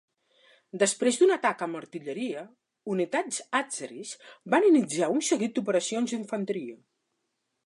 Després d'un atac amb artilleria, unitats àzeris van iniciar un seguit d'operacions d'infanteria.